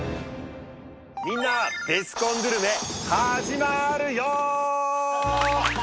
みんなベスコングルメ始まるよ！